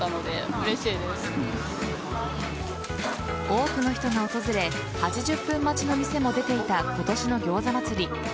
多くの人が訪れ８０分待ちの店も出ていた今年の餃子祭り。